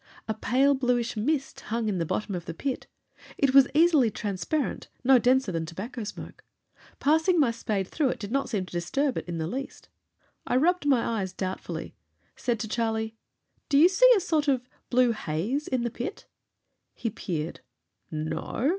A pale bluish mist hung in the bottom of the pit. It was easily transparent, no denser than tobacco smoke. Passing my spade through it did not seem to disturb it in the least. I rubbed my eyes doubtfully, said to Charlie, "Do you see a sort of blue haze in the pit?" He peered. "No.